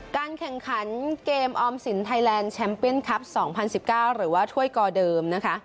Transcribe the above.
การแข่งขันเกมออมสินไทยแลนด์แชมป์เปียนคลับ๒๐๑๙หรือว่าถ้วยกอเดิมนะคะ